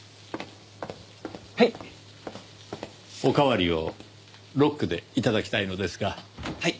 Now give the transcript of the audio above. はい！おかわりをロックで頂きたいのですが。はい。